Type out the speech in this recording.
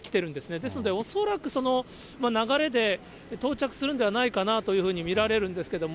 ですので恐らくその流れで、到着するんではないかなというふうに見られるんですけども。